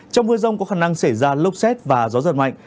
trong mưa rông có khả năng xảy ra lốc xét và gió giật mạnh